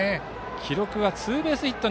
記録はツーベースヒット。